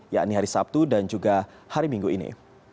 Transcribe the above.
yakni hari sabtu dan juga hari minggu ini